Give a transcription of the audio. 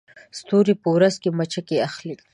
ستوري په ورځ کې مچکې اخلي